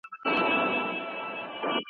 استاد د شاګرد مسوده ګوري.